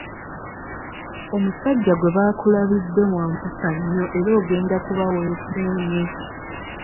Omusajja gwe baakulabidde wa mpisa nnyo era ogenda kuba weesiimye.